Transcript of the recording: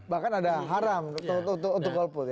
bahkan ada haram untuk golput